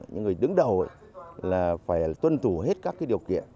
những người đứng đầu là phải tuân thủ hết các điều kiện